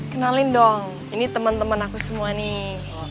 kenalin dong ini temen temen aku semua nih